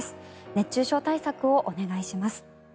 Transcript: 熱中症対策をお願いします。